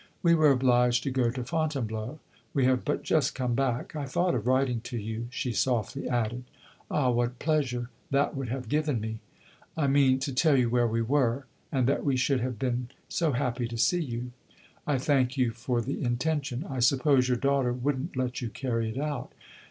"We were obliged to go to Fontainebleau. We have but just come back. I thought of writing to you," she softly added. "Ah, what pleasure that would have given me!" "I mean, to tell you where we were, and that we should have been so happy to see you." "I thank you for the intention. I suppose your daughter would n't let you carry it out."